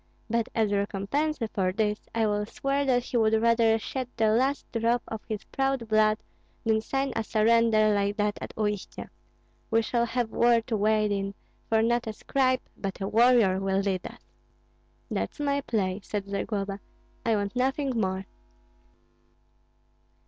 But as recompense for this, I will swear that he would rather shed the last drop of his proud blood than sign a surrender like that at Uistsie. We shall have war to wade in; for not a scribe, but a warrior, will lead us." "That's my play," said Zagloba, "I want nothing more.